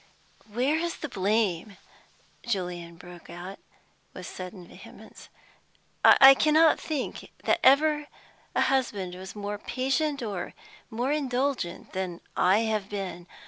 "Where is the blame?" Julian broke out, with sudden vehemence. "I cannot think that ever husband was more patient and more indulgent than I have been.